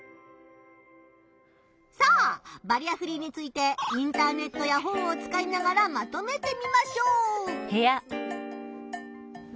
さあバリアフリーについてインターネットや本を使いながらまとめてみましょう！